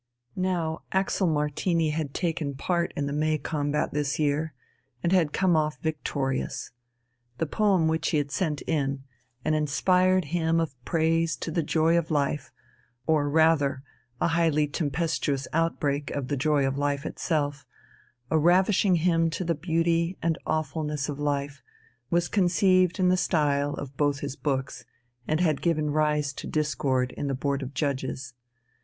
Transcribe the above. Now Axel Martini had taken part in the "May combat" this year, and had come off victorious. The poem which he had sent in, an inspired hymn of praise to the joy of life, or rather a highly tempestuous outbreak of the joy of life itself, a ravishing hymn to the beauty and awfulness of life, was conceived in the style of both his books and had given rise to discord in the Board of Judges.